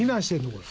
これ。